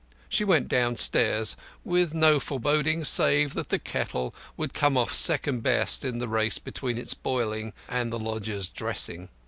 She went downstairs, with no foreboding save that the kettle would come off second best in the race between its boiling and her lodger's dressing.